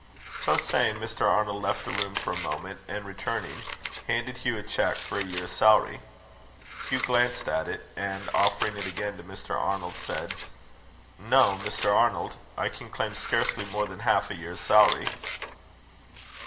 So saying, Mr. Arnold left the room for a moment, and returning, handed Hugh a cheque for a year's salary. Hugh glanced at it, and offering it again to Mr. Arnold, said: "No, Mr. Arnold; I can claim scarcely more than half a year's salary."